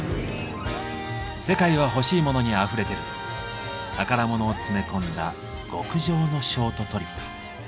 「世界はほしいモノにあふれてる」宝物を詰め込んだ極上のショートトリップ。